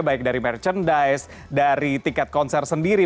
baik dari merchandise dari tiket konser sendiri